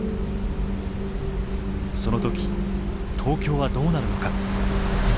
その時東京はどうなるのか。